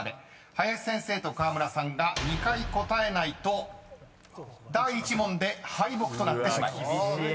林先生と河村さんが２回答えないと第１問で敗北となってしまいます］